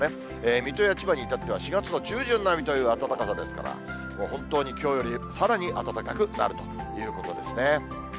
水戸や千葉にいたっては、４月の中旬並みという暖かさですから、本当にきょうよりさらに暖かくなるということですね。